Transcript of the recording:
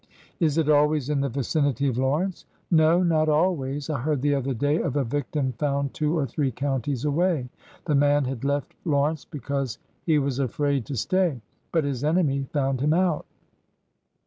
'''' Is it always in the vicinity of Lawrence ?" No, not always. I heard the other day of a victim found two or three counties away. The man had left Lawrence because he was afraid to stay. But his enemy found him out."